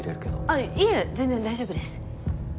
あいえ全然大丈夫です。